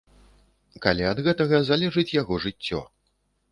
Калі ад гэтага залежыць яго жыццё.